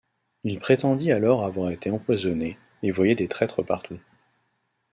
Il prétendit alors avoir été empoisonné, et voyait des traîtres partout.